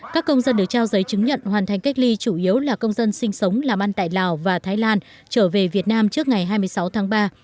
các công dân được trao giấy chứng nhận hoàn thành cách ly chủ yếu là công dân sinh sống làm ăn tại lào và thái lan trở về việt nam trước ngày hai mươi sáu tháng ba